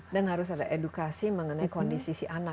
dan harus ada edukasi mengenai kondisi si anak